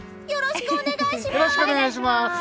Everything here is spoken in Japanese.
よろしくお願いします！